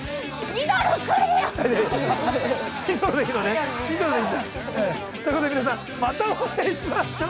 ２ドルでいいんだということで皆さんまたお会いしましょう！